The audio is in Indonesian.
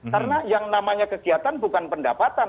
karena yang namanya kegiatan bukan pendapatan